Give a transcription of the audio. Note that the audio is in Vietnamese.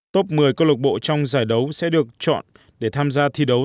top một mươi cơ lộc bộ trong giải đấu sẽ được chọn để tham gia thi đấu